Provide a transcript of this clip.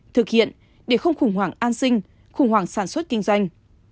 thực hiện để không khủng hoảng an sinh khủng hoảng sản xuất kinh doanh